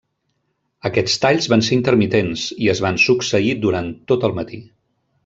Aquests talls van ser intermitents i es van succeir durant tot el mati.